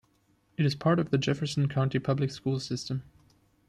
It is part of the Jefferson County Public Schools system.